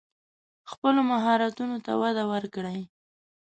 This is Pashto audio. خپلو مهارتونو ته وده ورکړئ.